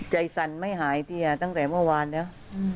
สั่นไม่หายเตียตั้งแต่เมื่อวานแล้ว